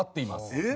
えっ？